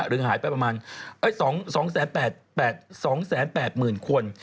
หรือหายไปประมาณ๒แสน๘หมื่นคน